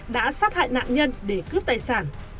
đã sát hại nạn nhân để cướp tài sản